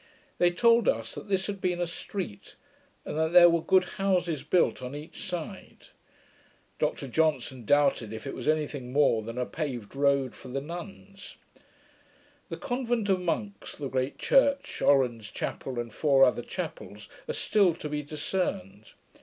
They told us, that this had been a street; and that there were good houses built on each side. Dr Johnson doubted if it was any thing more than a paved road for the nuns. The convent of monks, the great church, Oran's chapel, and four other chapels, are still to be discerned.